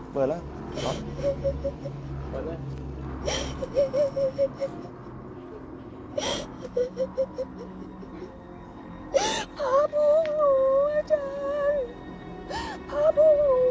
ปลูกหลวงอาจารย์ปลูกหลวงไว้